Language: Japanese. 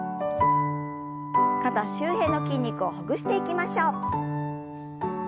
肩周辺の筋肉をほぐしていきましょう。